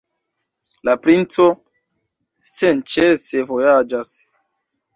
La princo senĉese vojaĝas.